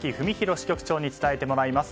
支局長に伝えてもらいます。